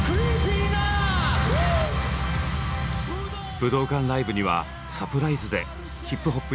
武道館ライブにはサプライズでＨＩＰＨＯＰ